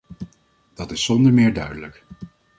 Dat is zonder meer duidelijk.